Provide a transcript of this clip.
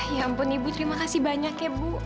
ya ampun ibu terima kasih banyak ya bu